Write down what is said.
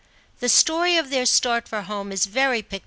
The story of ^their start for home is very pictur B.C.